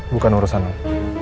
bukan urusan om